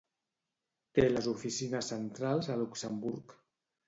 Té les oficines centrals a Luxemburg.